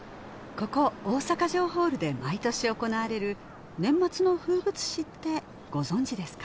ここ大阪城ホールで毎年行われる年末の風物詩ってご存じですか？